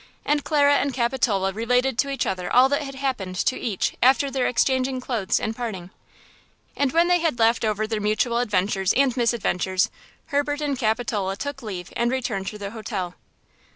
And Clara and Capitola related to each other all that had happened to each after their exchanging clothes and parting. And when they had laughed over their mutual adventures and misadventures, Herbert and Capitola took leave and returned to their hotel.